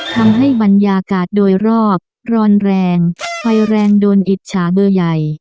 ทำให้บรรยากาศโดยรอบร้อนแรงไฟแรงโดนอิจฉาเบอร์ใหญ่